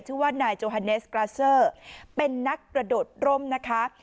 ชื่อว่านายโจฮาเนสกราเซอร์เป็นนักกระโดดร่มนะคะ